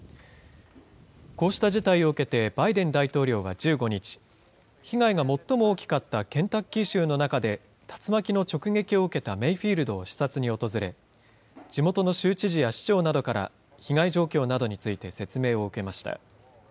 こうした事態を受けてバイデン大統領は１５日、被害が最も大きかったケンタッキー州の中で竜巻の直撃を受けたメイフィールドを視察に訪れ、地元の州知事や市長などから被害状況などについて説明を受けました。